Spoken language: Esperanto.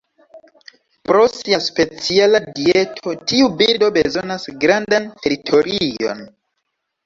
Pro sia speciala dieto, tiu birdo bezonas grandan teritorion.